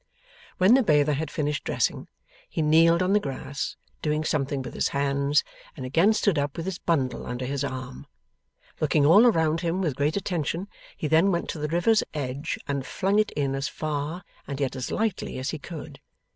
When the bather had finished dressing, he kneeled on the grass, doing something with his hands, and again stood up with his bundle under his arm. Looking all around him with great attention, he then went to the river's edge, and flung it in as far, and yet as lightly as he could.